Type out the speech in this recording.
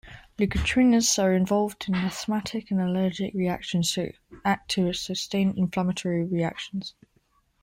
Leukotrienes are involved in asthmatic and allergic reactions and act to sustain inflammatory reactions.